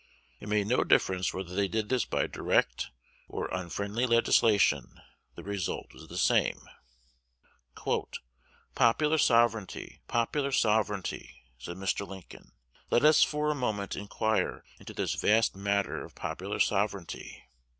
It made no difference whether they did this by direct or "unfriendly legislation:" the result was the same. "Popular sovereignty! popular sovereignty!" said Mr. Lincoln. "Let us for a moment inquire into this vast matter of popular sovereignty.